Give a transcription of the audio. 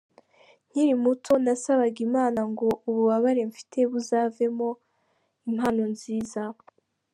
Nkiri muto nasabaga Imana ngo ububabare mfite buzavemo impano nziza.